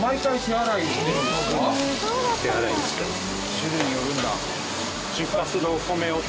種類によるんだ。